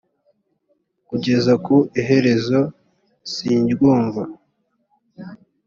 kugeza ku iherezo sindyumva